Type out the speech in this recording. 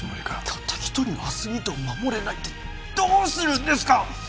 たった一人のアスリートを守れないでどうするんですか？